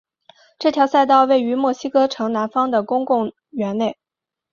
这条赛道位于墨西哥城南方的的公共公园内。